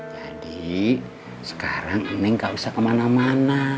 jadi sekarang neng gak usah kemana mana